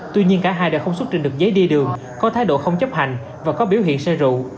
tuy nhiên cả hai đã không xuất trình được giấy đi đường có thái độ không chấp hành và có biểu hiện xe rụ